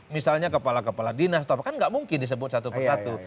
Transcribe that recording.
misalnya kepala kepala dinastor kan gak mungkin disebut satu persatu